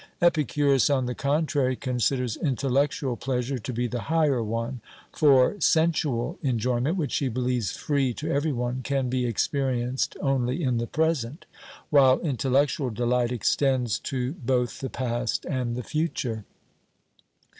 Epicurus, on the contrary, considers intellectual pleasure to be the higher one; for sensual enjoyment, which he believes free to every one, can be experienced only in the present, while intellectual delight extends to both the past and the future.